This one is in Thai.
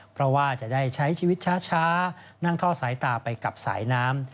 เพราะว่าจะได้ใช้ชีวิตช้านั่งท่อสายตาไปกับสายน้ำ